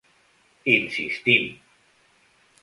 Insistim!